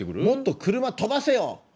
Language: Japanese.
「もっと車飛ばせよ！